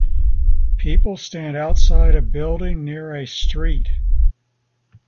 Peoople stand outside a building near a street.